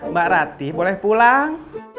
mbak ratih boleh pulang